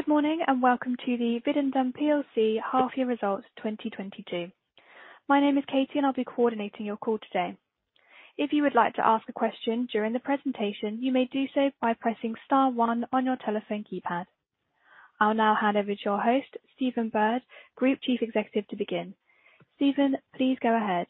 Good morning, and welcome to the Videndum plc half-year results 2022. My name is Katie, and I'll be coordinating your call today. If you would like to ask a question during the presentation, you may do so by pressing star one on your telephone keypad. I'll now hand over to your host, Stephen Bird, Group Chief Executive, to begin. Stephen, please go ahead.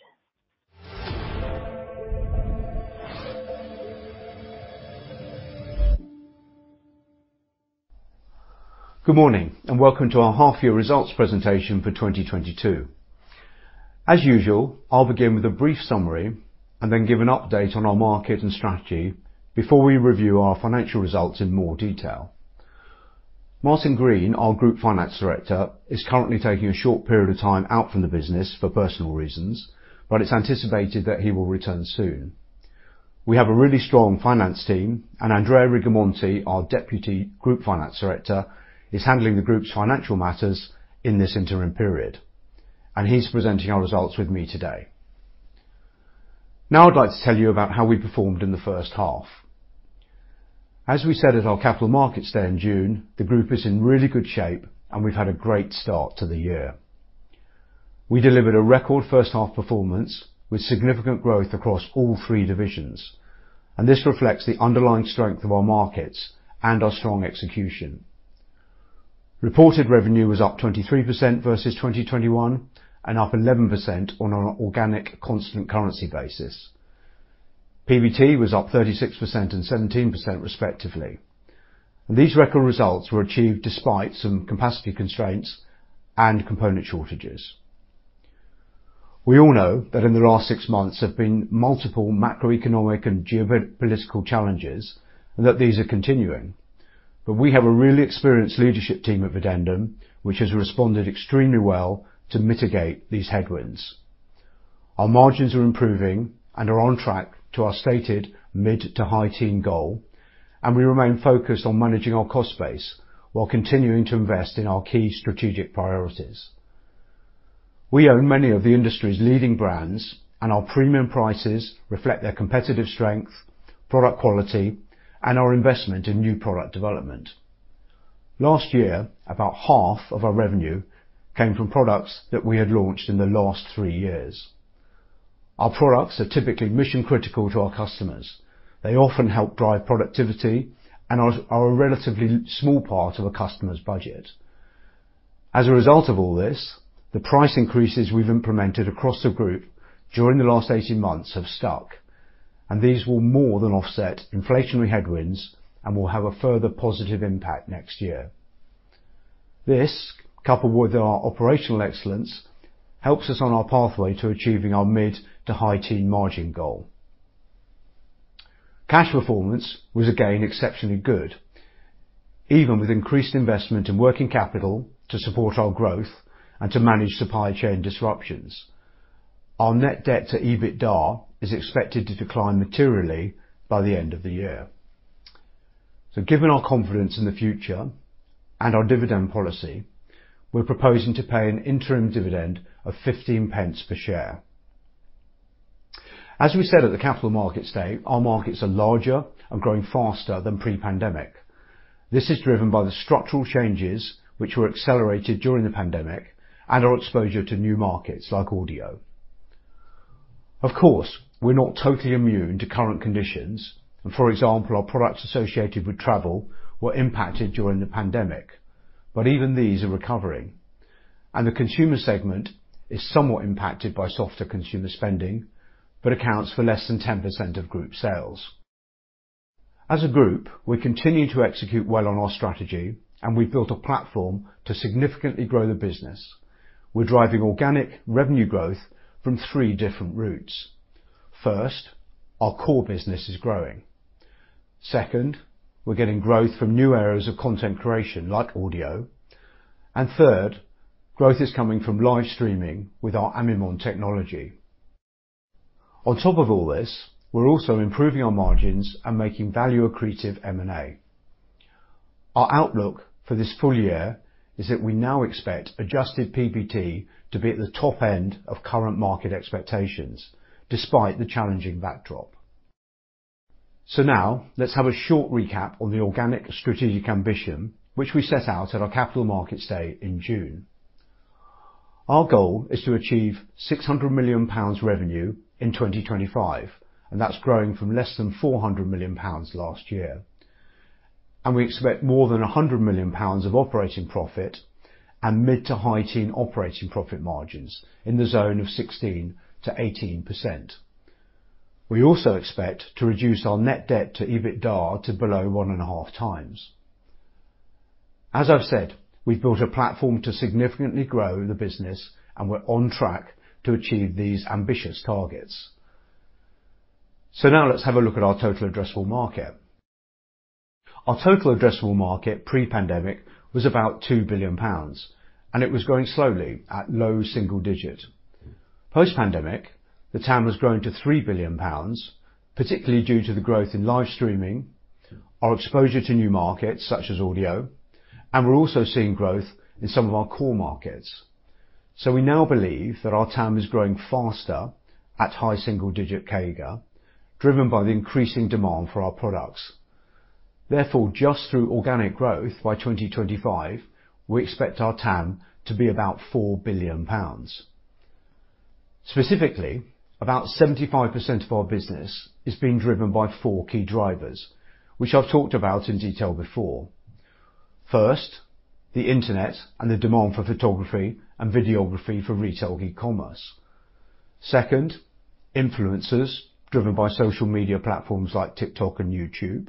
Good morning, and welcome to our half-year results presentation for 2022. As usual, I'll begin with a brief summary and then give an update on our market and strategy before we review our financial results in more detail. Martin Green, our Group Finance Director, is currently taking a short period of time out from the business for personal reasons, but it's anticipated that he will return soon. We have a really strong finance team, and Andrea Rigamonti, our Deputy Group Finance Director, is handling the group's financial matters in this interim period, and he's presenting our results with me today. Now I'd like to tell you about how we performed in the first half. As we said at our Capital Markets Day in June, the group is in really good shape, and we've had a great start to the year. We delivered a record first half performance with significant growth across all three divisions. This reflects the underlying strength of our markets and our strong execution. Reported revenue was up 23% versus 2021, and up 11% on an organic constant currency basis. PBT was up 36% and 17% respectively. These record results were achieved despite some capacity constraints and component shortages. We all know that in the last six months there have been multiple macroeconomic and geopolitical challenges, and that these are continuing. We have a really experienced leadership team at Videndum, which has responded extremely well to mitigate these headwinds. Our margins are improving and are on track to our stated mid to high teen goal, and we remain focused on managing our cost base while continuing to invest in our key strategic priorities. We own many of the industry's leading brands, and our premium prices reflect their competitive strength, product quality, and our investment in new product development. Last year, about half of our revenue came from products that we had launched in the last three years. Our products are typically mission critical to our customers. They often help drive productivity and are a relatively small part of a customer's budget. As a result of all this, the price increases we've implemented across the group during the last 18 months have stuck, and these will more than offset inflationary headwinds and will have a further positive impact next year. This, coupled with our operational excellence, helps us on our pathway to achieving our mid to high teen margin goal. Cash performance was again exceptionally good, even with increased investment in working capital to support our growth and to manage supply chain disruptions. Our net debt to EBITDA is expected to decline materially by the end of the year. Given our confidence in the future and our dividend policy, we're proposing to pay an interim dividend of 0.15 per share. As we said at the Capital Markets Day, our markets are larger and growing faster than pre-pandemic. This is driven by the structural changes which were accelerated during the pandemic and our exposure to new markets like audio. Of course, we're not totally immune to current conditions and, for example, our products associated with travel were impacted during the pandemic. Even these are recovering, and the consumer segment is somewhat impacted by softer consumer spending but accounts for less than 10% of group sales. As a group, we continue to execute well on our strategy, and we've built a platform to significantly grow the business. We're driving organic revenue growth from three different routes. First, our core business is growing. Second, we're getting growth from new areas of content creation like audio. Third, growth is coming from live streaming with our Amimon technology. On top of all this, we're also improving our margins and making value accretive M&A. Our outlook for this full year is that we now expect adjusted PBT to be at the top end of current market expectations despite the challenging backdrop. Now let's have a short recap on the organic strategic ambition which we set out at our Capital Markets Day in June. Our goal is to achieve 600 million pounds revenue in 2025, and that's growing from less than 400 million pounds last year. We expect more than 100 million pounds of operating profit and mid- to high-teen operating profit margins in the zone of 16%-18%. We also expect to reduce our net debt to EBITDA to below 1.5x. As I've said, we've built a platform to significantly grow the business, and we're on track to achieve these ambitious targets. Now let's have a look at our total addressable market. Our total addressable market pre-pandemic was about 2 billion pounds, and it was growing slowly at low double-digit. Post-pandemic, the TAM has grown to 3 billion pounds, particularly due to the growth in live streaming, our exposure to new markets such as audio, and we're also seeing growth in some of our core markets. We now believe that our TAM is growing faster at high single digit CAGR, driven by the increasing demand for our products. Therefore, just through organic growth by 2025, we expect our TAM to be about 4 billion pounds. Specifically, about 75% of our business is being driven by four key drivers, which I've talked about in detail before. First, the internet and the demand for photography and videography for retail e-commerce. Second, influencers driven by social media platforms like TikTok and YouTube.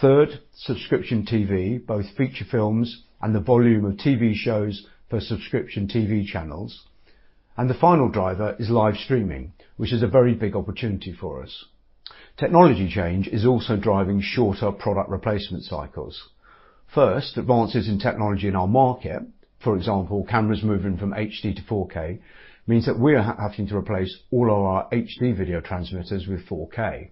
Third, subscription TV, both feature films and the volume of TV shows for subscription TV channels. The final driver is live streaming, which is a very big opportunity for us. Technology change is also driving shorter product replacement cycles. First, advances in technology in our market, for example, cameras moving from HD to 4K, means that we are having to replace all of our HD video transmitters with 4K.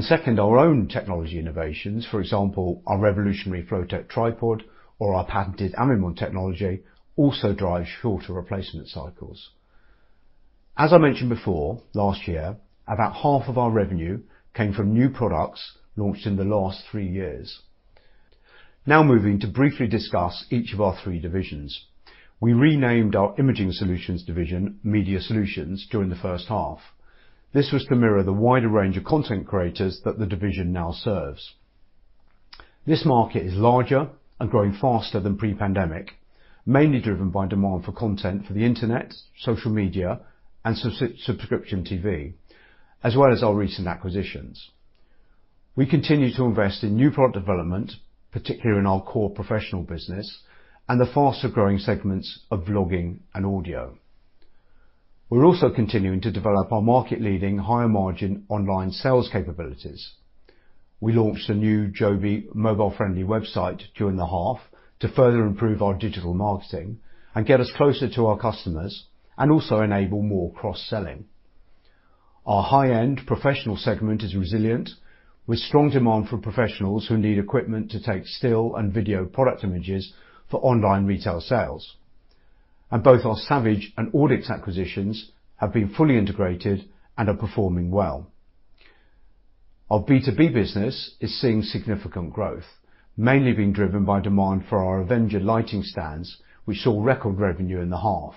Second, our own technology innovations, for example, our revolutionary Flowtech tripod or our patented Amimon technology, also drives shorter replacement cycles. As I mentioned before, last year, about half of our revenue came from new products launched in the last three years. Now moving to briefly discuss each of our three divisions. We renamed our Imaging Solutions division, Media Solutions, during the first half. This was to mirror the wider range of content creators that the division now serves. This market is larger and growing faster than pre-pandemic, mainly driven by demand for content for the internet, social media, and subscription TV, as well as our recent acquisitions. We continue to invest in new product development, particularly in our core professional business, and the faster-growing segments of vlogging and audio. We're also continuing to develop our market leading higher margin online sales capabilities. We launched a new JOBY mobile-friendly website during the half to further improve our digital marketing and get us closer to our customers, and also enable more cross-selling. Our high-end professional segment is resilient with strong demand from professionals who need equipment to take still and video product images for online retail sales. Both our Savage and Audix acquisitions have been fully integrated and are performing well. Our B2B business is seeing significant growth, mainly being driven by demand for our Avenger lighting stands, which saw record revenue in the half.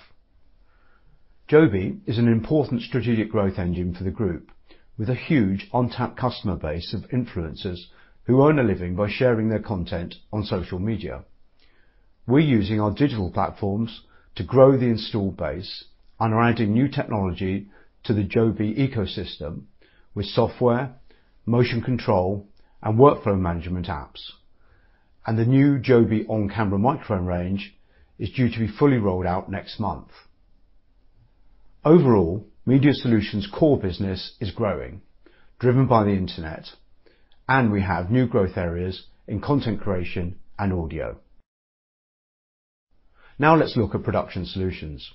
JOBY is an important strategic growth engine for the group, with a huge on-tap customer base of influencers who earn a living by sharing their content on social media. We're using our digital platforms to grow the install base and are adding new technology to the JOBY ecosystem with software, motion control, and workflow management apps. The new JOBY on-camera microphone range is due to be fully rolled out next month. Overall, Media Solutions core business is growing, driven by the internet, and we have new growth areas in content creation and audio. Now let's look at Production Solutions.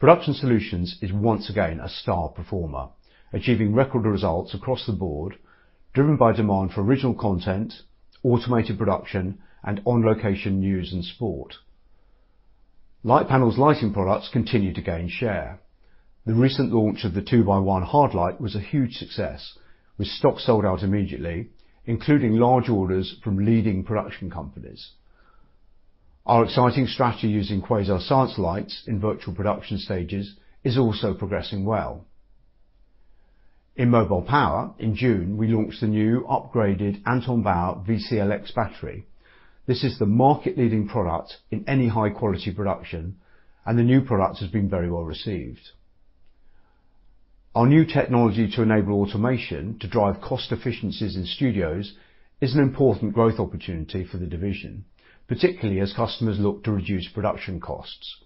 Production Solutions is once again a star performer, achieving record results across the board driven by demand for original content, automated production, and on-location news and sport. Litepanels lighting products continue to gain share. The recent launch of the 2x1 Hard light was a huge success, with stock sold out immediately, including large orders from leading production companies. Our exciting strategy using Quasar Science lights in virtual production stages is also progressing well. In mobile power, in June, we launched the new upgraded Anton/Bauer VCLX battery. This is the market leading product in any high-quality production, and the new product has been very well received. Our new technology to enable automation to drive cost efficiencies in studios is an important growth opportunity for the division, particularly as customers look to reduce production costs.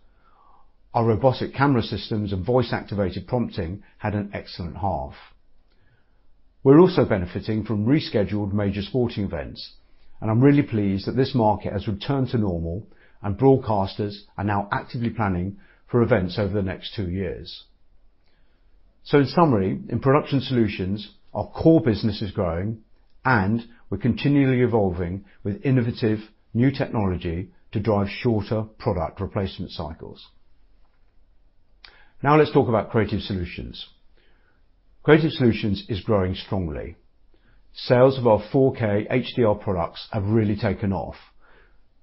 Our robotic camera systems and voice-activated prompting had an excellent half. We're also benefiting from rescheduled major sporting events, and I'm really pleased that this market has returned to normal and broadcasters are now actively planning for events over the next two years. In summary, in Production Solutions, our core business is growing and we're continually evolving with innovative new technology to drive shorter product replacement cycles. Now let's talk about Creative Solutions. Creative Solutions is growing strongly. Sales of our 4K HDR products have really taken off,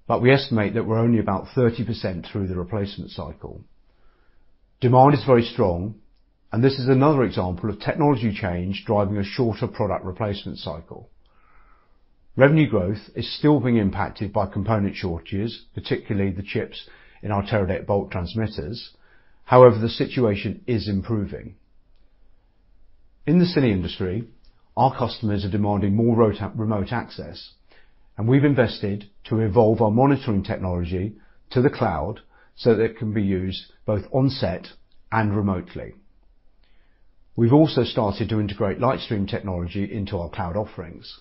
but we estimate that we're only about 30% through the replacement cycle. Demand is very strong, and this is another example of technology change driving a shorter product replacement cycle. Revenue growth is still being impacted by component shortages, particularly the chips in our Teradek Bolt transmitters. However, the situation is improving. In the cine industry, our customers are demanding more remote access, and we've invested to evolve our monitoring technology to the cloud so that it can be used both on set and remotely. We've also started to integrate Lightstream technology into our cloud offerings.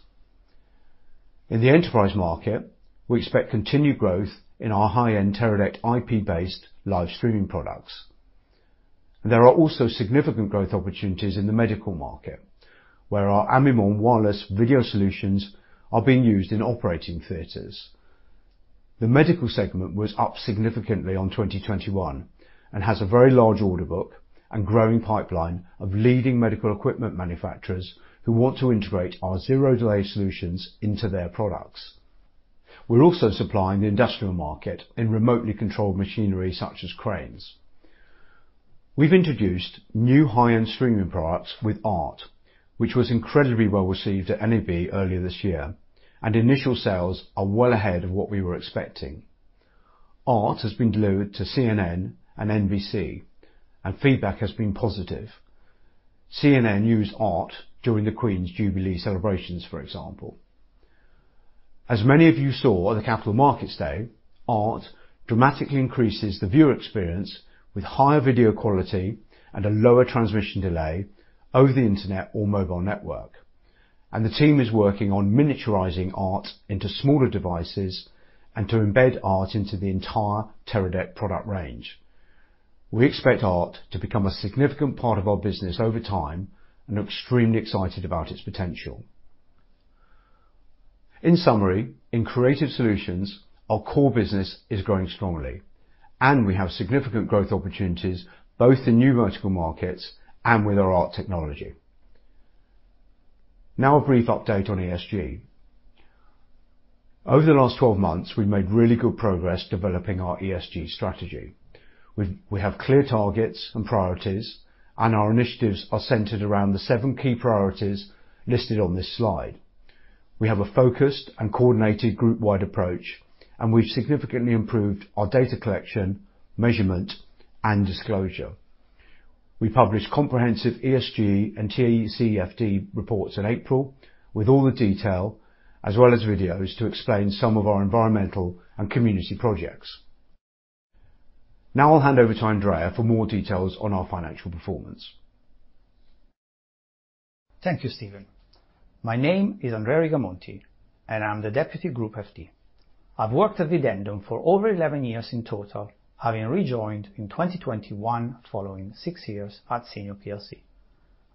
In the enterprise market, we expect continued growth in our high-end Teradek IP-based live streaming products. There are also significant growth opportunities in the medical market, where our Amimon wireless video solutions are being used in operating theaters. The medical segment was up significantly on 2021 and has a very large order book and growing pipeline of leading medical equipment manufacturers who want to integrate our zero delay solutions into their products. We're also supplying the industrial market in remotely controlled machinery such as cranes. We've introduced new high-end streaming products with ART, which was incredibly well-received at NAB earlier this year, and initial sales are well ahead of what we were expecting. ART has been delivered to CNN and NBC, and feedback has been positive. CNN used ART during the Queen's Jubilee celebrations, for example. As many of you saw at the Capital Markets Day, ART dramatically increases the viewer experience with higher video quality and a lower transmission delay over the internet or mobile network. The team is working on miniaturizing ART into smaller devices and to embed ART into the entire Teradek product range. We expect ART to become a significant part of our business over time and are extremely excited about its potential. In summary, in Creative Solutions, our core business is growing strongly, and we have significant growth opportunities both in new vertical markets and with our ART technology. Now a brief update on ESG. Over the last 12 months, we've made really good progress developing our ESG strategy. We have clear targets and priorities, and our initiatives are centered around the seven key priorities listed on this slide. We have a focused and coordinated group-wide approach, and we've significantly improved our data collection, measurement, and disclosure. We published comprehensive ESG and TCFD reports in April with all the detail as well as videos to explain some of our environmental and community projects. Now I'll hand over to Andrea for more details on our financial performance. Thank you, Stephen. My name is Andrea Rigamonti, and I'm the Deputy Group FD. I've worked at Videndum for over 11 years in total, having rejoined in 2021 following six years at Senior plc.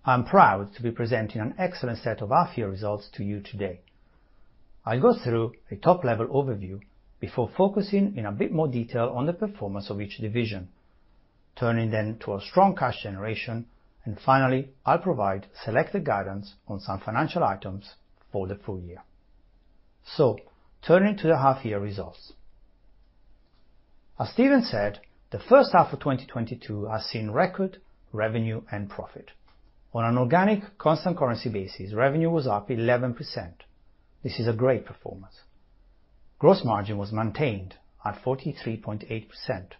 I'm proud to be presenting an excellent set of half year results to you today. I'll go through a top-level overview before focusing in a bit more detail on the performance of each division, turning then to our strong cash generation, and finally, I'll provide selected guidance on some financial items for the full year. Turning to the half year results. As Stephen said, the first half of 2022 has seen record revenue and profit. On an organic constant currency basis, revenue was up 11%. This is a great performance. Gross margin was maintained at 43.8%.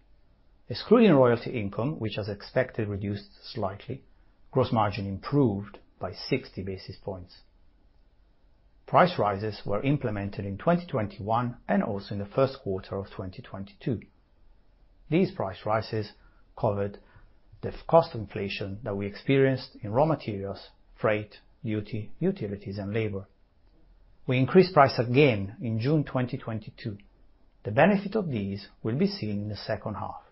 Excluding royalty income, which as expected reduced slightly, gross margin improved by 60 basis points. Price rises were implemented in 2021 and also in the first quarter of 2022. These price rises covered the cost inflation that we experienced in raw materials, freight, duty, utilities, and labor. We increased price again in June 2022. The benefit of these will be seen in the second half.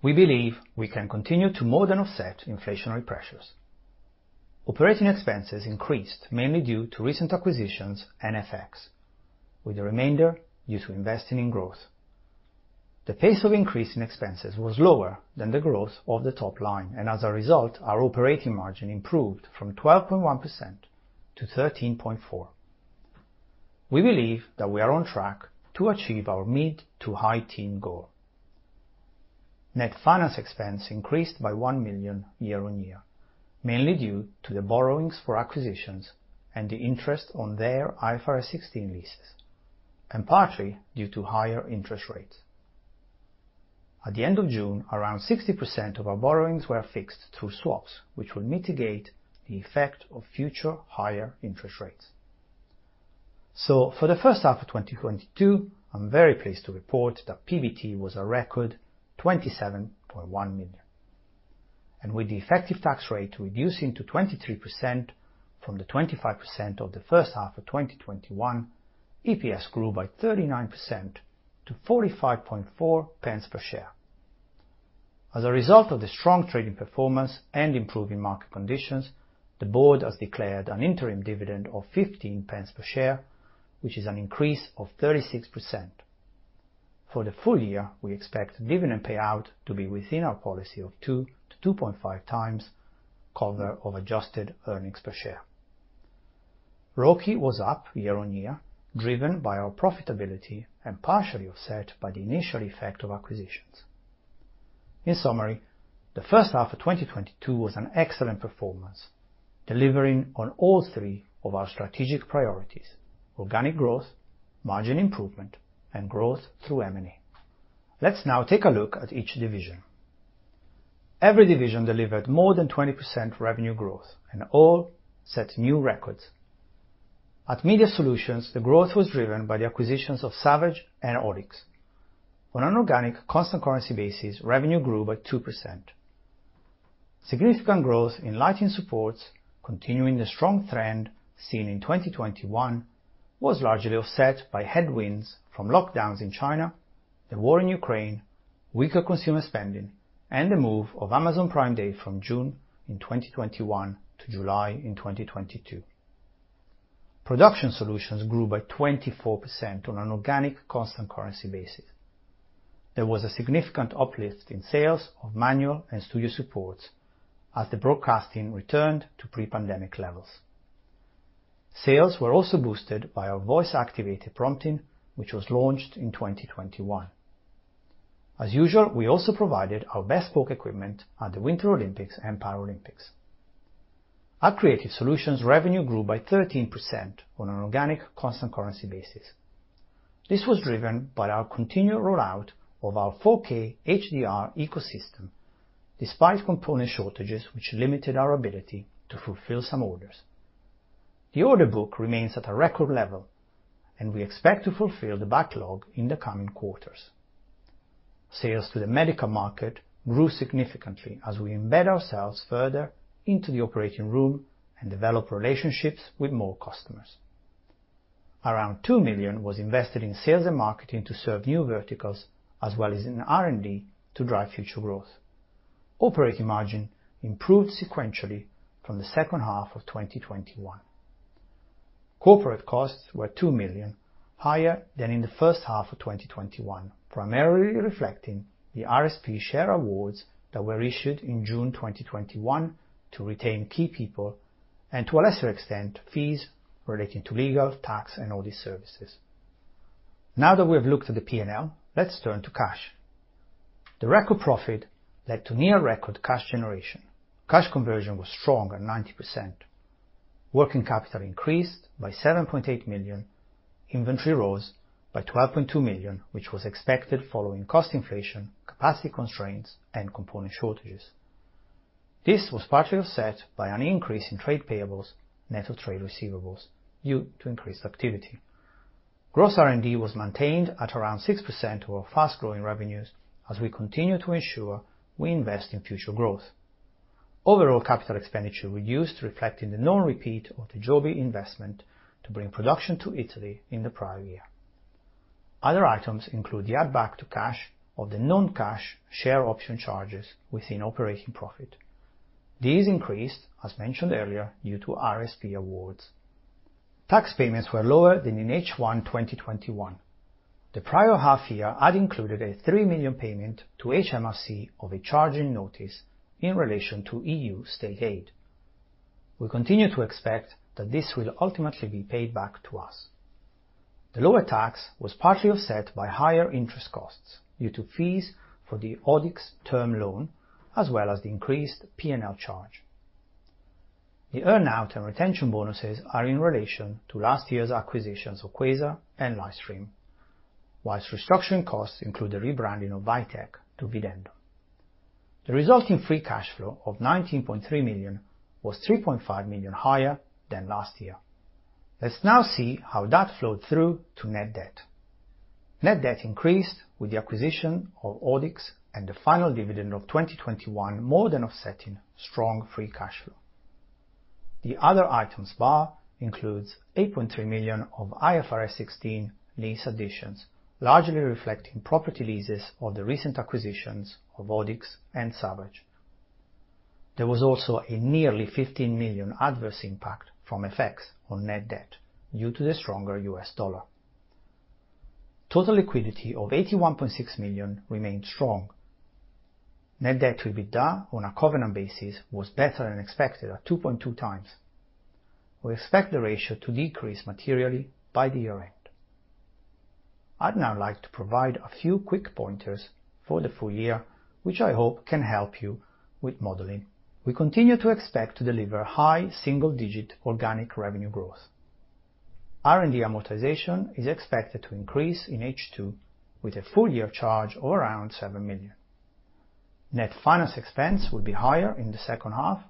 We believe we can continue to more than offset inflationary pressures. Operating expenses increased mainly due to recent acquisitions and FX, with the remainder due to investing in growth. The pace of increase in expenses was lower than the growth of the top line, and as a result, our operating margin improved from 12.1% to 13.4%. We believe that we are on track to achieve our mid- to high-teens goal. Net finance expense increased by 1 million year-on-year, mainly due to the borrowings for acquisitions and the interest on their IFRS 16 leases, and partly due to higher interest rates. At the end of June, around 60% of our borrowings were fixed through swaps, which will mitigate the effect of future higher interest rates. For the first half of 2022, I'm very pleased to report that PBT was a record 27.1 million. With the effective tax rate reducing to 23% from the 25% of the first half of 2021, EPS grew by 39% to 0.454 per share. As a result of the strong trading performance and improving market conditions, the board has declared an interim dividend of 0.15 per share, which is an increase of 36%. For the full year, we expect dividend payout to be within our policy of 2x-2.5x cover of adjusted earnings per share. ROCE was up year-on-year, driven by our profitability and partially offset by the initial effect of acquisitions. In summary, the first half of 2022 was an excellent performance, delivering on all three of our strategic priorities, organic growth, margin improvement, and growth through M&A. Let's now take a look at each division. Every division delivered more than 20% revenue growth and all set new records. At Media Solutions, the growth was driven by the acquisitions of Savage and Audix. On an organic constant currency basis, revenue grew by 2%. Significant growth in lighting supports continuing the strong trend seen in 2021 was largely offset by headwinds from lockdowns in China, the war in Ukraine, weaker consumer spending, and the move of Amazon Prime Day from June 2021 to July 2022. Production Solutions grew by 24% on an organic constant currency basis. There was a significant uplift in sales of manual and studio supports as the broadcasting returned to pre-pandemic levels. Sales were also boosted by our voice-activated prompter, which was launched in 2021. As usual, we also provided our bespoke equipment at the Winter Olympics and Paralympics. Creative Solutions revenue grew by 13% on an organic constant currency basis. This was driven by our continued rollout of our 4K HDR ecosystem despite component shortages which limited our ability to fulfill some orders. The order book remains at a record level, and we expect to fulfill the backlog in the coming quarters. Sales to the medical market grew significantly as we embed ourselves further into the operating room and develop relationships with more customers. Around 2 million was invested in sales and marketing to serve new verticals as well as in R&D to drive future growth. Operating margin improved sequentially from the second half of 2021. Corporate costs were 2 million higher than in the first half of 2021, primarily reflecting the RSP share awards that were issued in June 2021 to retain key people and, to a lesser extent, fees relating to legal, tax, and audit services. Now that we have looked at the P&L, let's turn to cash. The record profit led to near record cash generation. Cash conversion was strong at 90%. Working capital increased by 7.8 million. Inventory rose by 12.2 million, which was expected following cost inflation, capacity constraints, and component shortages. This was partially offset by an increase in trade payables, net of trade receivables due to increased activity. Gross R&D was maintained at around 6% of our fast-growing revenues as we continue to ensure we invest in future growth. Overall capital expenditure reduced, reflecting the non-repeat of the JOBY investment to bring production to Italy in the prior year. Other items include the add back to cash of the non-cash share option charges within operating profit. These increased, as mentioned earlier, due to RSP awards. Tax payments were lower than in H1 2021. The prior half year had included a 3 million payment to HMRC of a charging notice in relation to EU State Aid. We continue to expect that this will ultimately be paid back to us. The lower tax was partially offset by higher interest costs due to fees for the Audix term loan, as well as the increased P&L charge. The earn out and retention bonuses are in relation to last year's acquisitions of Quasar and Lightstream. Whilst restructuring costs include the rebranding of Vitec to Videndum. The resulting free cash flow of 19.3 million was 3.5 million higher than last year. Let's now see how that flowed through to net debt. Net debt increased with the acquisition of Audix and the final dividend of 2021 more than offsetting strong free cash flow. The other items bar includes 8.3 million of IFRS 16 lease additions, largely reflecting property leases of the recent acquisitions of Audix and Savage. There was also a nearly 15 million adverse impact from FX on net debt due to the stronger U.S. dollar. Total liquidity of 81.6 million remained strong. Net debt to EBITDA on a covenant basis was better than expected at 2.2x. We expect the ratio to decrease materially by the year end. I'd now like to provide a few quick pointers for the full year, which I hope can help you with modeling. We continue to expect to deliver high single-digit organic revenue growth. R&D amortization is expected to increase in H2 with a full-year charge of around 7 million. Net finance expense will be higher in the second half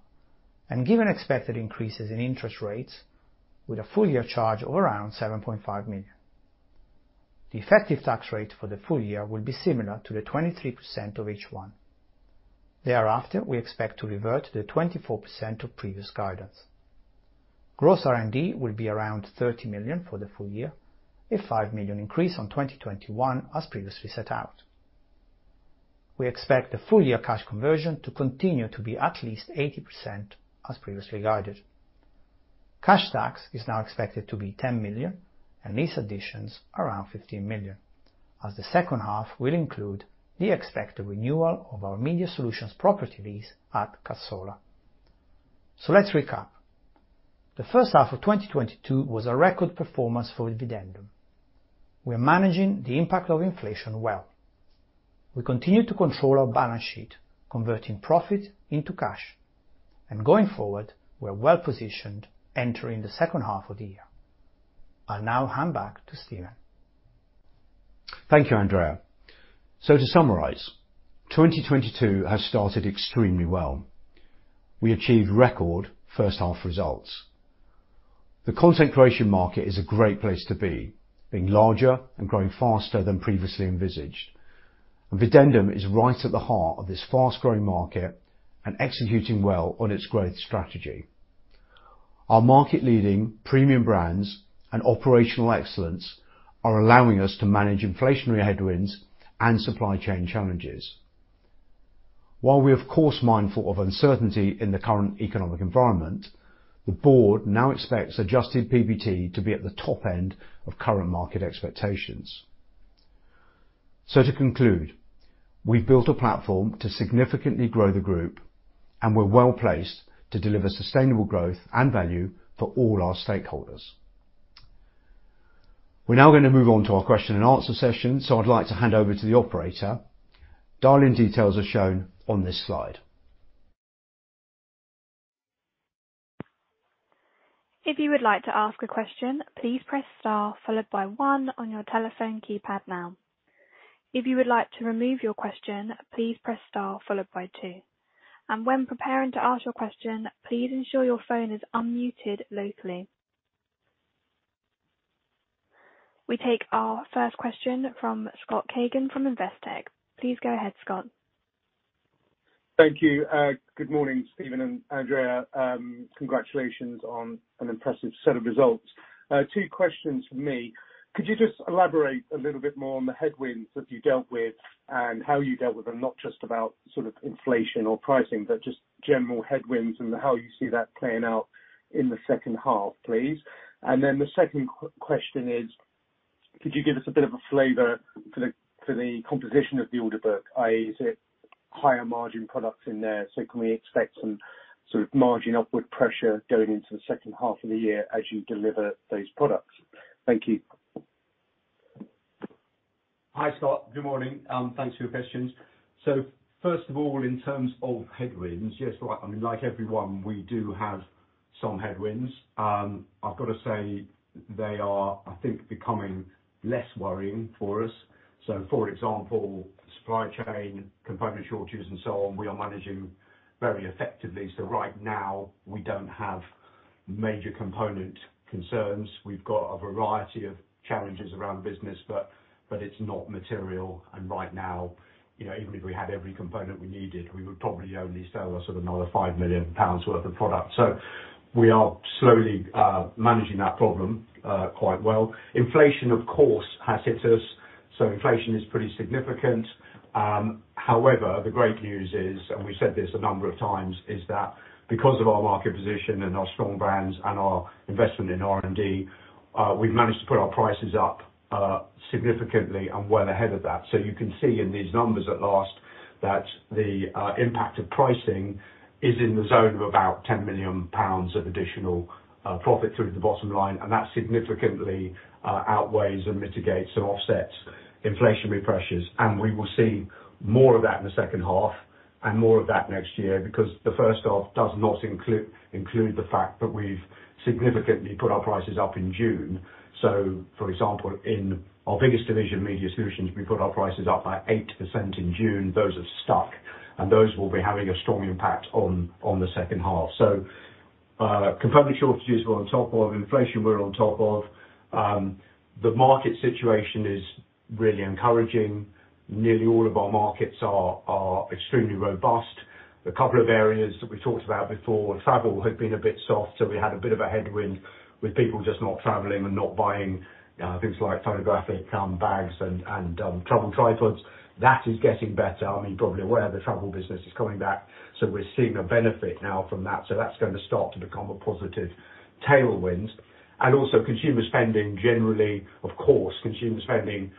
and given expected increases in interest rates with a full-year charge of around 7.5 million. The effective tax rate for the full year will be similar to the 23% of H1. Thereafter, we expect to revert to the 24% of previous guidance. Gross R&D will be around 30 million for the full year, a 5 million increase on 2021 as previously set out. We expect the full-year cash conversion to continue to be at least 80% as previously guided. Cash tax is now expected to be 10 million and lease additions around 15 million as the second half will include the expected renewal of our Media Solutions property lease at Cassola. Let's recap. The first half of 2022 was a record performance for Videndum. We are managing the impact of inflation well. We continue to control our balance sheet, converting profit into cash, and going forward, we're well-positioned entering the second half of the year. I'll now hand back to Stephen. Thank you, Andrea. To summarize, 2022 has started extremely well. We achieved record first half results. The content creation market is a great place to be, being larger and growing faster than previously envisioned. Videndum is right at the heart of this fast-growing market and executing well on its growth strategy. Our market leading premium brands and operational excellence are allowing us to manage inflationary headwinds and supply chain challenges. While we're of course mindful of uncertainty in the current economic environment, the board now expects adjusted PBT to be at the top end of current market expectations. To conclude, we've built a platform to significantly grow the group, and we're well-placed to deliver sustainable growth and value for all our stakeholders. We're now gonna move on to our question-and-answer session, so I'd like to hand over to the operator. Dial-in details are shown on this slide. If you would like to ask a question, please press star followed by one on your telephone keypad now. If you would like to remove your question, please press star followed by two. When preparing to ask your question, please ensure your phone is unmuted locally. We take our first question from Scott Cagehin from Investec. Please go ahead, Scott. Thank you. Good morning, Stephen and Andrea. Congratulations on an impressive set of results. Two questions from me. Could you just elaborate a little bit more on the headwinds that you dealt with and how you dealt with them, not just about sort of inflation or pricing, but just general headwinds and how you see that playing out in the second half, please. The second question is, could you give us a bit of a flavor for the composition of the order book, i.e., is it higher margin products in there? So can we expect some sort of margin upward pressure going into the second half of the year as you deliver those products? Thank you. Hi, Scott. Good morning. Thanks for your questions. First of all, in terms of headwinds, yes, like, I mean, like everyone, we do have some headwinds. I've got to say they are, I think, becoming less worrying for us. For example, supply chain, component shortages and so on, we are managing very effectively. Right now, we don't have major component concerns. We've got a variety of challenges around business, but it's not material. Right now, you know, even if we had every component we needed, we would probably only sell a sort of another 5 million pounds worth of product. We are slowly managing that problem quite well. Inflation, of course, has hit us. Inflation is pretty significant. However, the great news is, and we said this a number of times, is that because of our market position and our strong brands and our investment in R&D, we've managed to put our prices up significantly and well ahead of that. You can see in these numbers at last that the impact of pricing is in the zone of about 10 million pounds of additional profit through the bottom line, and that significantly outweighs and mitigates and offsets inflationary pressures. We will see more of that in the second half and more of that next year because the first half does not include the fact that we've significantly put our prices up in June. For example, in our biggest division, Media Solutions, we put our prices up by 8% in June. Those are stuck, and those will be having a strong impact on the second half. Component shortages we're on top of. Inflation we're on top of. The market situation is really encouraging. Nearly all of our markets are extremely robust. A couple of areas that we talked about before, travel had been a bit soft, so we had a bit of a headwind with people just not traveling and not buying things like photographic bags and travel tripods. That is getting better. I mean, you're probably aware the travel business is coming back, so we're seeing a benefit now from that. That's gonna start to become a positive tailwind. Also consumer spending, generally, of course, consumer spending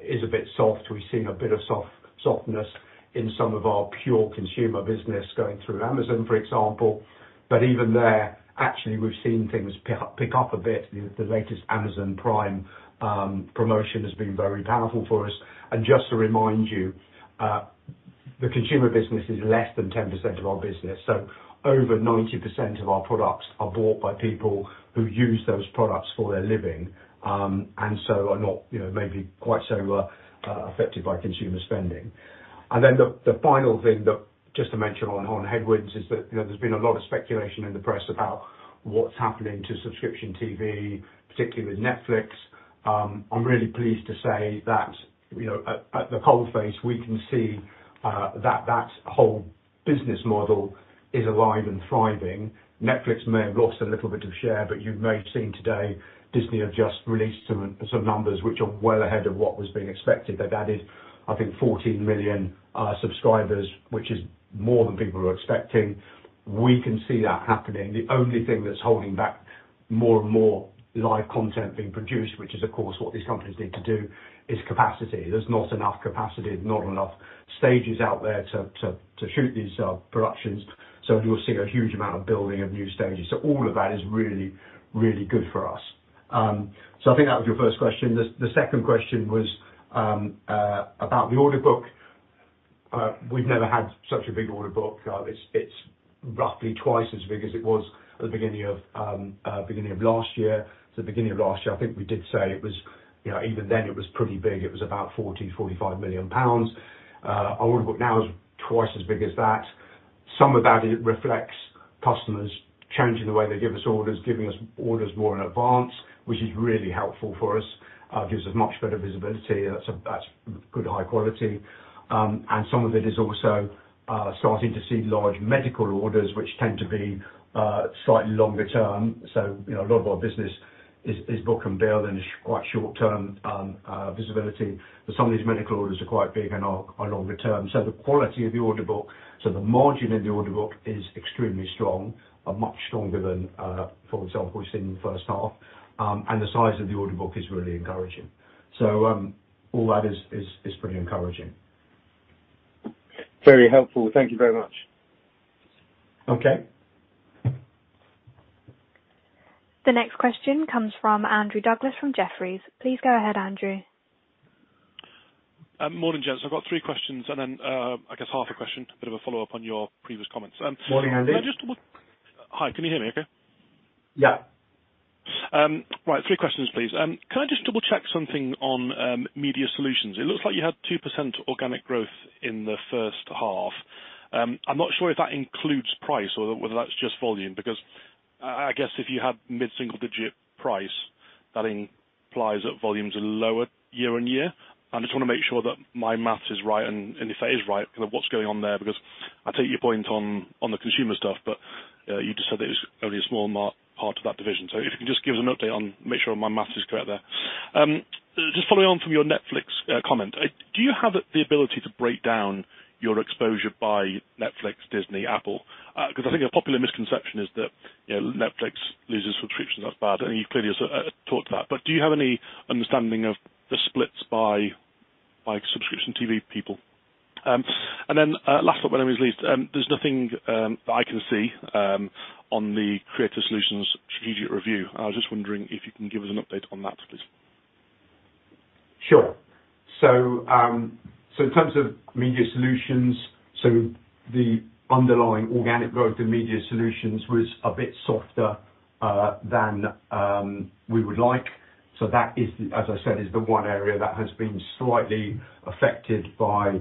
is a bit soft. We've seen a bit of softness in some of our pure consumer business going through Amazon, for example. Even there, actually, we've seen things pick up a bit. The latest Amazon Prime promotion has been very powerful for us. Just to remind you, the consumer business is less than 10% of our business. Over 90% of our products are bought by people who use those products for their living, and so are not, you know, maybe quite so affected by consumer spending. The final thing just to mention on headwinds is that, you know, there's been a lot of speculation in the press about what's happening to subscription TV, particularly with Netflix. I'm really pleased to say that, you know, at the coal face, we can see that whole business model is alive and thriving. Netflix may have lost a little bit of share, but you may have seen today Disney have just released some numbers which are well ahead of what was being expected. They've added, I think, 14 million subscribers, which is more than people are expecting. We can see that happening. The only thing that's holding back more and more live content being produced, which is of course what these companies need to do, is capacity. There's not enough capacity, not enough stages out there to shoot these productions. You'll see a huge amount of building of new stages. All of that is really, really good for us. I think that was your first question. The second question was about the order book. We've never had such a big order book. It's roughly twice as big as it was at the beginning of last year. The beginning of last year, I think we did say it was, you know, even then it was pretty big. It was about 40 million-45 million pounds. Our order book now is twice as big as that. Some of that reflects customers changing the way they give us orders, giving us orders more in advance, which is really helpful for us, gives us much better visibility. That's good high quality. Some of it is also starting to see large medical orders, which tend to be slightly longer term. You know, a lot of our business is book and bill, and it's quite short-term visibility, but some of these medical orders are quite big and are longer-term. The margin in the order book is extremely strong, but much stronger than, for example, we've seen in the first half. The size of the order book is really encouraging. All that is pretty encouraging. Very helpful. Thank you very much. Okay. The next question comes from Andrew Douglas from Jefferies. Please go ahead, Andrew. Morning, gents. I've got three questions and then, I guess half a question, a bit of a follow-up on your previous comments. Morning, Andrew. Hi, can you hear me okay? Yeah. Right. Three questions, please. Can I just double check something on Media Solutions? It looks like you had 2% organic growth in the first half. I'm not sure if that includes price or whether that's just volume, because I guess if you have mid-single digit price, that implies that volumes are lower year-on-year. I just want to make sure that my math is right, and if that is right, kind of what's going on there because I take your point on the consumer stuff, but you just said that it was only a small part of that division. If you can just give us an update to make sure my math is correct there. Just following on from your Netflix comment, do you have the ability to break down your exposure by Netflix, Disney, Apple? 'Cause I think a popular misconception is that, you know, Netflix loses subscriptions, that's bad, and you clearly has talked to that. Do you have any understanding of the splits by subscription TV people? Last but not least, there's nothing that I can see on the Creative Solutions strategic review. I was just wondering if you can give us an update on that, please. Sure. In terms of Media Solutions, the underlying organic growth in Media Solutions was a bit softer than we would like. That is, as I said, the one area that has been slightly affected by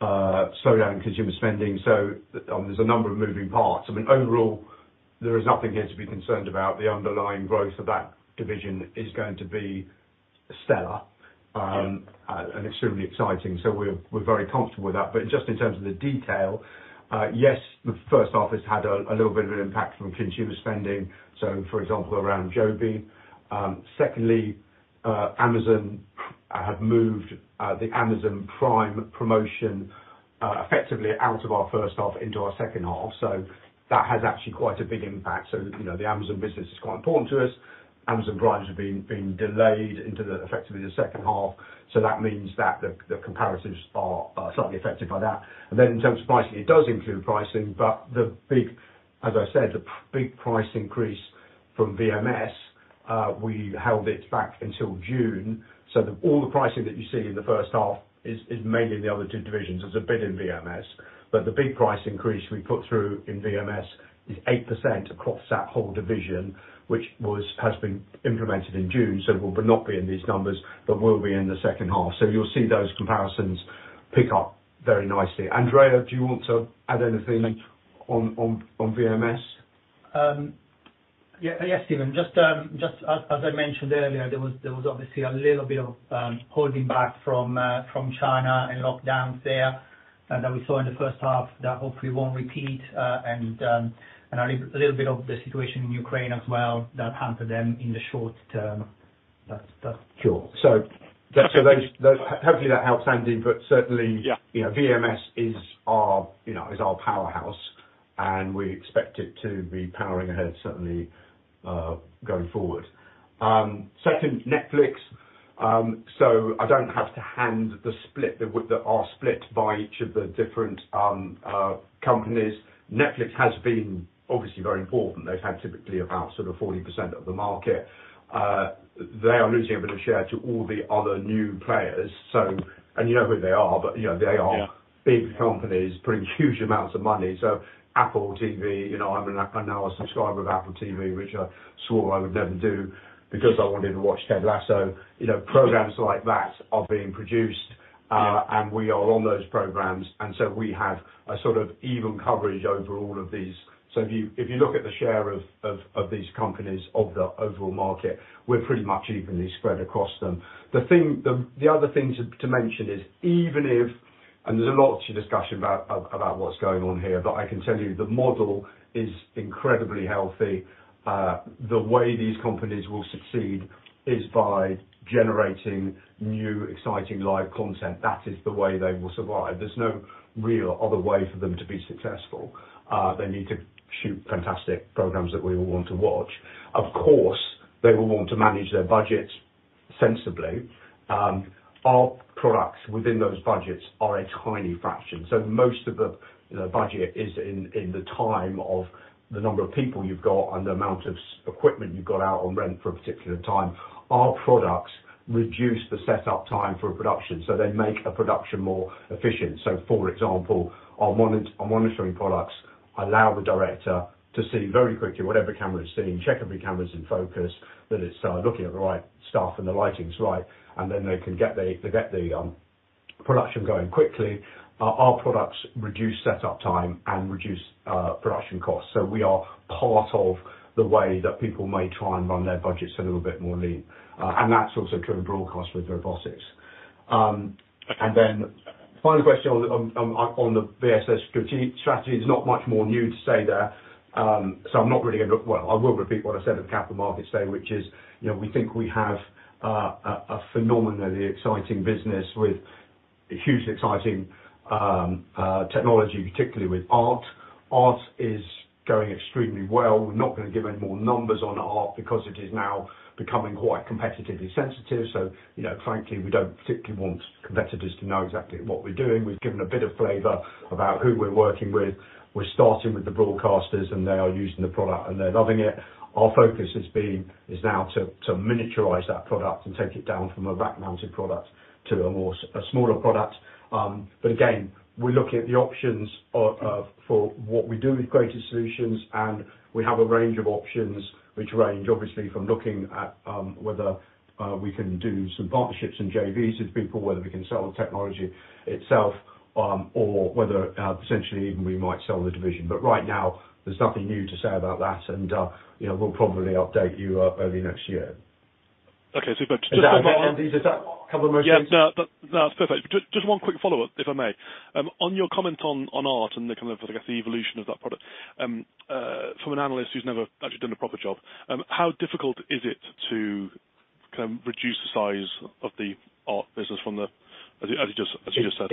slowing down consumer spending. There's a number of moving parts. I mean, overall, there is nothing here to be concerned about. The underlying growth of that division is going to be stellar. Yeah Extremely exciting. We're very comfortable with that. Just in terms of the detail, yes, the first half has had a little bit of an impact from consumer spending, so for example, around JOBY. Secondly, Amazon have moved the Amazon Prime promotion effectively out of our first half into our second half. That has actually quite a big impact. You know, the Amazon business is quite important to us. Amazon Prime has been delayed into effectively the second half. That means that the comparatives are slightly affected by that. Then in terms of pricing, it does include pricing, but the big, as I said, the big price increase from VMS, we held it back until June. All the pricing that you see in the first half is mainly in the other two divisions. There's a bit in VMS, but the big price increase we put through in VMS is 8% across that whole division, which has been implemented in June, so will but not be in these numbers, but will be in the second half. You'll see those comparisons pick up very nicely. Andrea, do you want to add anything on VMS? Yeah, yes, Stephen. Just as I mentioned earlier, there was obviously a little bit of holding back from China and lockdowns there that we saw in the first half that hopefully won't repeat, and a little bit of the situation in Ukraine as well that hampered them in the short term. That's Sure. Hopefully that helps, Andy. Certainly. Yeah You know, VMS is our powerhouse, you know, and we expect it to be powering ahead, certainly, going forward. Second, Netflix. I don't have to hand out our split by each of the different companies. Netflix has been obviously very important. They've had typically about sort of 40% of the market. They are losing a bit of share to all the other new players. You know who they are, but you know they are. Yeah... big companies, pretty huge amounts of money. Apple TV, you know, I'm now a subscriber of Apple TV, which I swore I would never do because I wanted to watch Ted Lasso. You know, programs like that are being produced. Yeah We are on those programs. We have a sort of even coverage over all of these. If you look at the share of these companies of the overall market, we're pretty much evenly spread across them. The other thing to mention is even if, and there's a lot of discussion about what's going on here, but I can tell you the model is incredibly healthy. The way these companies will succeed is by generating new, exciting live content. That is the way they will survive. There's no real other way for them to be successful. They need to shoot fantastic programs that we all want to watch. Of course, they will want to manage their budgets sensibly. Our products within those budgets are a tiny fraction. Most of the budget is in the time of the number of people you've got and the amount of equipment you've got out on rent for a particular time. Our products reduce the setup time for a production. They make a production more efficient. For example, our monitoring products allow the director to see very quickly whatever camera is seeing, check every camera's in focus, that it's looking at the right stuff and the lighting's right, and then they get the production going quickly. Our products reduce setup time and reduce production costs. We are part of the way that people may try and run their budgets a little bit more lean. That's also true of broadcast with robotics. Final question on the VSS strategy. There's not much more new to say there, so I'm not really gonna. Well, I will repeat what I said at the Capital Markets Day, which is, you know, we think we have a phenomenally exciting business with hugely exciting technology, particularly with ART. ART is going extremely well. We're not gonna give any more numbers on ART because it is now becoming quite competitively sensitive. So, you know, frankly, we don't particularly want competitors to know exactly what we're doing. We've given a bit of flavor about who we're working with. We're starting with the broadcasters, and they are using the product, and they're loving it. Our focus is now to miniaturize that product and take it down from a rack-mounted product to a smaller product. Again, we're looking at the options for what we do with Creative Solutions, and we have a range of options which range obviously from looking at whether we can do some partnerships and JVs with people, whether we can sell the technology itself, or whether essentially even we might sell the division. Right now, there's nothing new to say about that and you know, we'll probably update you early next year. Okay, super. Is that, Andy, does that cover most things? Yeah. No, that's perfect. Just one quick follow-up, if I may? On your comment on ART and the kind of, I guess, the evolution of that product. From an analyst who's never actually done a proper job, how difficult is it to kind of reduce the size of the ART business as you just said?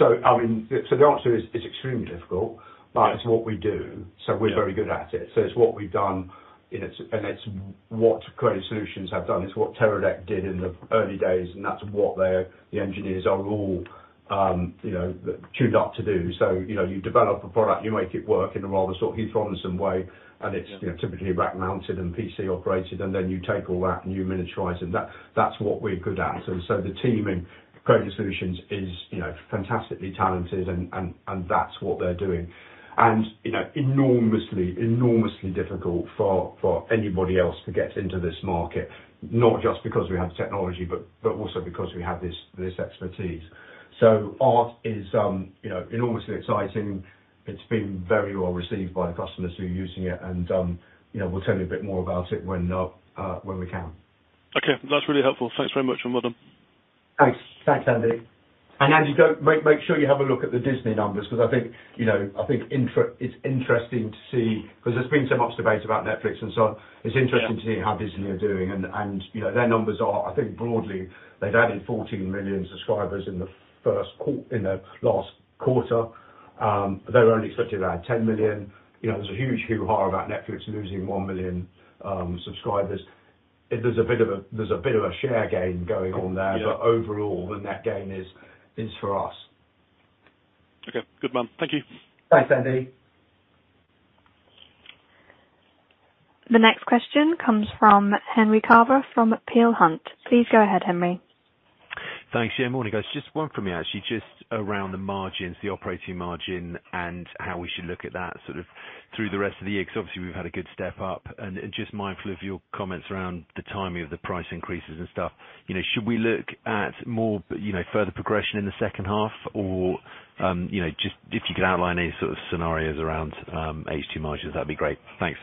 The answer is it's extremely difficult. Right. It's what we do. Yeah. We're very good at it. It's what we've done and it's what Creative Solutions have done. It's what Teradek did in the early days, and that's what the engineers are all, you know, tuned up to do. You know, you develop a product, you make it work in a rather sort of Heath Robinson way, and it's Yeah. You know, typically rack mounted and PC operated, and then you take all that and you miniaturize it. That's what we're good at. The team in Creative Solutions is, you know, fantastically talented and that's what they're doing. You know, enormously difficult for anybody else to get into this market, not just because we have technology, but also because we have this expertise. ART is, you know, enormously exciting. It's been very well received by the customers who are using it and you know, we'll tell you a bit more about it when we can. Okay. That's really helpful. Thanks very much. I'm with them. Thanks. Thanks, Andy. Andy, make sure you have a look at the Disney numbers because I think, you know, I think it's interesting to see because there's been so much debate about Netflix and so on. Yeah. It's interesting to see how Disney are doing, you know, their numbers are, I think broadly, they've added 14 million subscribers in the last quarter. They were only expecting about 10 million. You know, there was a huge hoo-ha about Netflix losing 1 million subscribers. There's a bit of a share gain going on there. Yeah. Overall, the net gain is for us. Okay. Good one. Thank you. Thanks, Andy. The next question comes from Henry Carver from Peel Hunt. Please go ahead, Henry. Thanks, yeah. Morning, guys. Just one from me, actually, just around the margins, the operating margin and how we should look at that sort of through the rest of the year. 'Cause obviously we've had a good step up and just mindful of your comments around the timing of the price increases and stuff. You know, should we look at more, you know, further progression in the second half or, you know, just if you could outline any sort of scenarios around H2 margins? That'd be great. Thanks.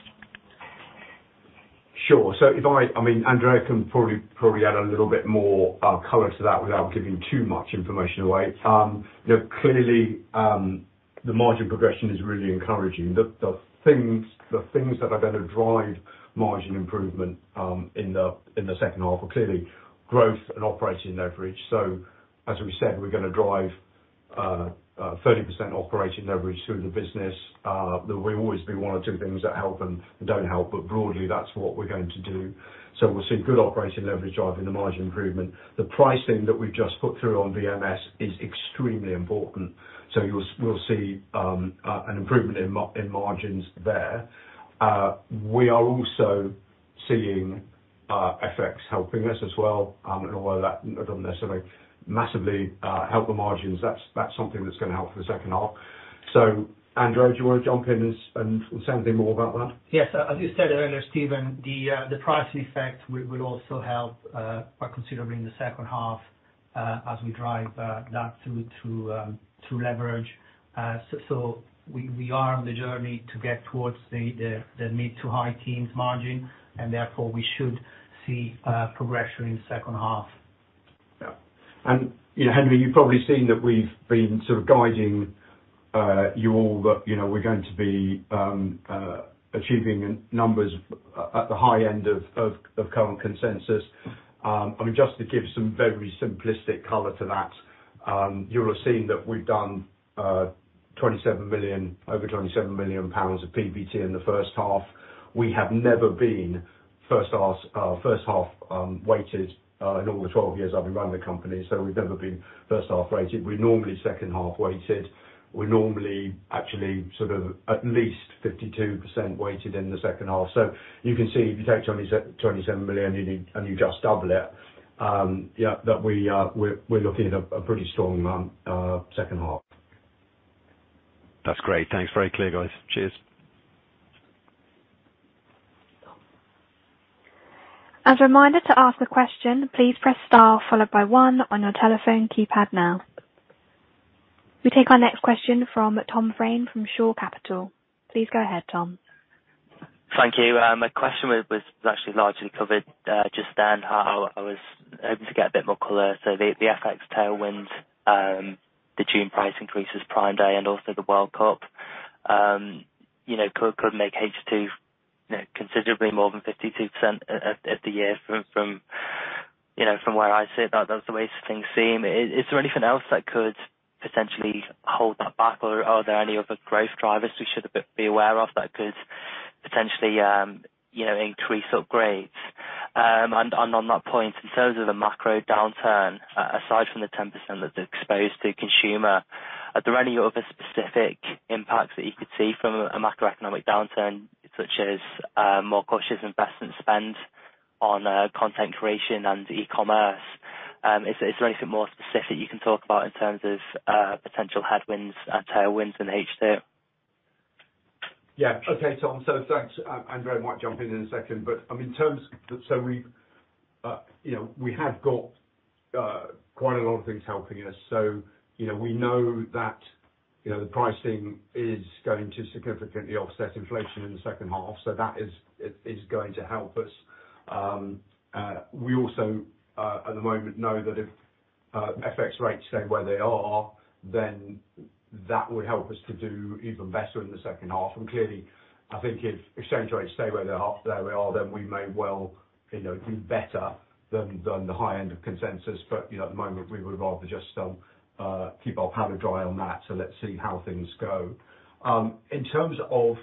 I mean, Andrea can probably add a little bit more color to that without giving too much information away. You know, clearly, the margin progression is really encouraging. The things that are gonna drive margin improvement in the second half are clearly growth and operating leverage. As we said, we're gonna drive 30% operating leverage through the business. There will always be one or two things that help and don't help, but broadly that's what we're going to do. We'll see good operating leverage driving the margin improvement. The pricing that we've just put through on VMS is extremely important. We'll see an improvement in margins there. We are also seeing FX helping us as well. I don't know whether that necessarily massively help the margins. That's something that's gonna help for the second half. Andrea, do you wanna jump in and say anything more about that? Yes. As you said earlier, Stephen, the pricing effect will also help quite considerably in the second half, as we drive that through to leverage. We are on the journey to get towards the mid- to high-teens margin, and therefore we should see progression in second half. Yeah. You know, Henry, you've probably seen that we've been sort of guiding you all that, you know, we're going to be achieving numbers at the high end of current consensus. I mean, just to give some very simplistic color to that, you'll have seen that we've done over 27 million pounds PBT in the first half. We have never been first half weighted in all the 12 years I've been running the company. We've never been first half weighted. We're normally second half weighted. We're normally actually sort of at least 52% weighted in the second half. You can see if you take 27 million and you just double it, that we're looking at a pretty strong second half. That's great. Thanks. Very clear, guys. Cheers. As a reminder, to ask a question, please press star followed by one on your telephone keypad now. We take our next question from Tom Fraine from Shore Capital. Please go ahead, Tom. Thank you. My question was actually largely covered just then. I was hoping to get a bit more color. The FX tailwind, the June price increases, Prime Day and also the World Cup you know could make H2 you know considerably more than 52% of the year you know from where I sit. That's the way things seem. Is there anything else that could potentially hold that back or are there any other growth drivers we should be aware of that could potentially increase upgrades? On that point, in terms of the macro downturn, aside from the 10% that they're exposed to consumer, are there any other specific impacts that you could see from a macroeconomic downturn, such as more cautious investment spend on content creation and e-commerce? Is there anything more specific you can talk about in terms of potential headwinds and tailwinds in H2? Yeah. Okay, Tom. Thanks. Andrea might jump in in a second, but I mean, we've you know we have got quite a lot of things helping us. You know, we know that you know the pricing is going to significantly offset inflation in the second half. That is going to help us. We also at the moment know that if FX rates stay where they are, then that would help us to do even better in the second half. Clearly, I think if exchange rates stay where they are, then we may well you know do better than the high end of consensus. You know, at the moment, we would rather just keep our powder dry on that. Let's see how things go. In terms of,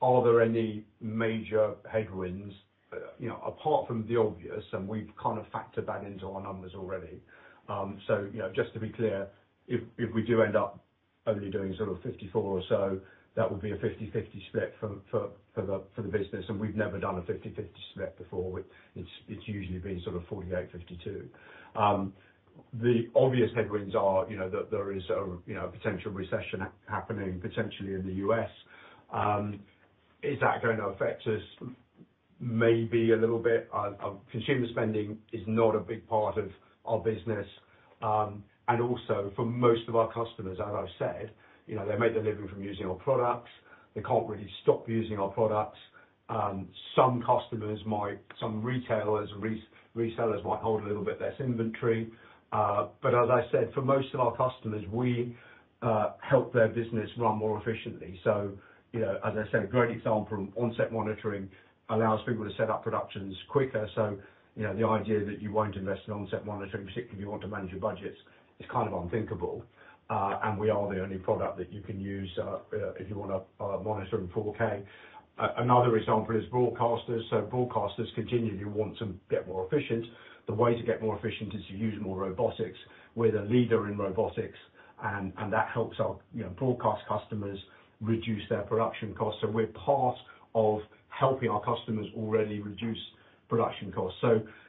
are there any major headwinds, you know, apart from the obvious, and we've kind of factored that into our numbers already. You know, just to be clear, if we do end up only doing sort of 54 or so, that would be a 50/50 split for the business, and we've never done a 50/50 split before. It's usually been sort of 48, 52. The obvious headwinds are, you know, that there is a, you know, a potential recession happening potentially in the U.S. Is that gonna affect us? Maybe a little bit. Consumer spending is not a big part of our business. And also for most of our customers, as I've said, you know, they make their living from using our products. They can't really stop using our products. Some customers might. Some retailers might hold a little bit less inventory. As I said, for most of our customers, we help their business run more efficiently. You know, as I said, a great example from on-set monitoring allows people to set up productions quicker. You know, the idea that you won't invest in on-set monitoring, particularly if you want to manage your budgets, is kind of unthinkable. We are the only product that you can use, if you wanna monitor in 4K. Another example is broadcasters. Broadcasters continually want to get more efficient. The way to get more efficient is to use more robotics. We're the leader in robotics, and that helps our broadcast customers reduce their production costs. We're part of helping our customers already reduce production costs.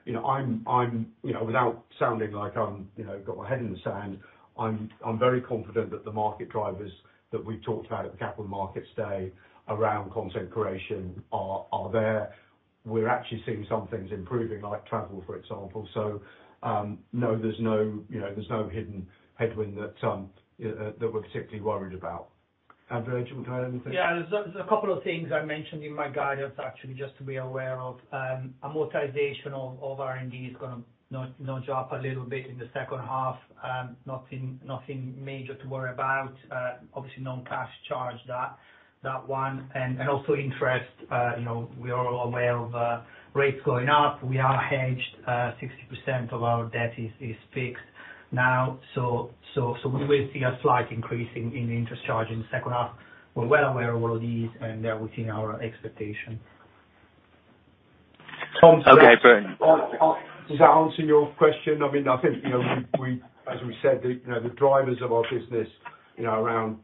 Without sounding like I've got my head in the sand, I'm very confident that the market drivers that we've talked about at the Capital Markets Day around content creation are there. We're actually seeing some things improving, like travel, for example. No, there's no hidden headwind that we're particularly worried about. Andrea, do you want to add anything? Yeah. There's a couple of things I mentioned in my guidance, actually, just to be aware of. Amortization of R&D is gonna nudge up a little bit in the second half. Nothing major to worry about. Obviously non-cash charge that one. Also interest, you know, we are all aware of rates going up. We are hedged, 60% of our debt is fixed now. We will see a slight increase in interest charge in the second half. We're well aware of all of these, and they are within our expectation. Tom- Okay, brilliant. Does that answer your question? I mean, I think, you know, we. As we said, you know, the drivers of our business, you know, around,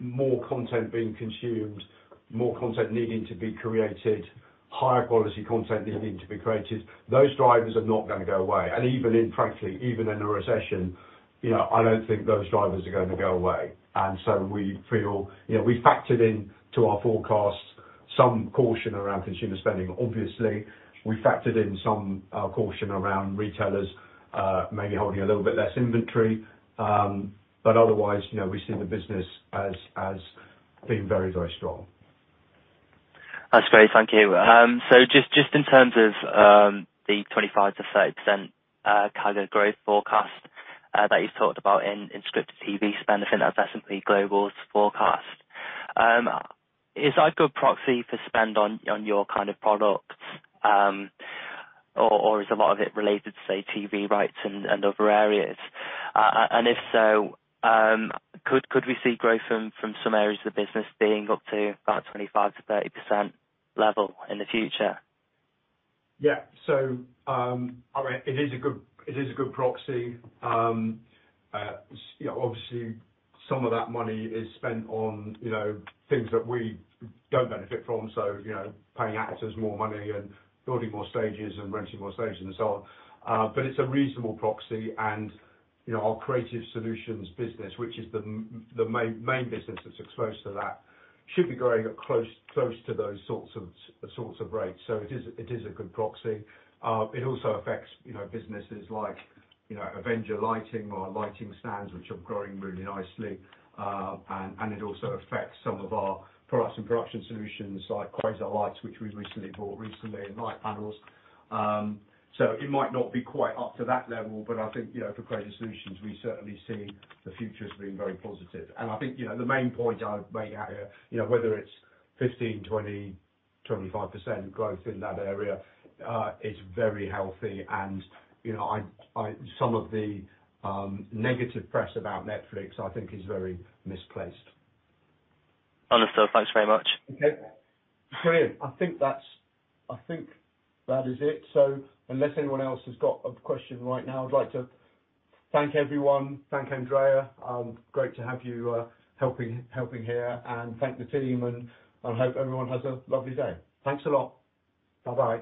more content being consumed, more content needing to be created, higher quality content needing to be created, those drivers are not gonna go away. Even in frankly, even in a recession, you know, I don't think those drivers are gonna go away. We feel. You know, we factored in to our forecast some caution around consumer spending, obviously. We factored in some caution around retailers, maybe holding a little bit less inventory. But otherwise, you know, we see the business as being very, very strong. That's great. Thank you. Just in terms of the 25%-30% category growth forecast that you talked about in scripted TV spend within that S&P Global's forecast, is that a good proxy for spend on your kind of product? Is a lot of it related to, say, TV rights and other areas? If so, could we see growth from some areas of the business being up to about 25%-30% level in the future? Yeah. I mean, it is a good proxy. You know, obviously, some of that money is spent on, you know, things that we don't benefit from. You know, paying actors more money and building more stages and renting more stages and so on. It is a reasonable proxy and, you know, our Creative Solutions business, which is the main business that's exposed to that, should be growing at close to those sorts of rates. It is a good proxy. It also affects, you know, businesses like, you know, Avenger lighting stands, which are growing really nicely. It also affects some of our products in Production Solutions like Quasar Science, which we've recently bought, and Litepanels. It might not be quite up to that level, but I think, you know, for Creative Solutions, we certainly see the future as being very positive. I think, you know, the main point I would make out here, you know, whether it's 15%, 20%, 25% growth in that area, is very healthy. You know, some of the negative press about Netflix, I think is very misplaced. Understood. Thanks very much. Okay. Brilliant. I think that is it. Unless anyone else has got a question right now, I'd like to thank everyone. Thank Andrea. Great to have you helping here. Thank the team, and I hope everyone has a lovely day. Thanks a lot. Bye-bye.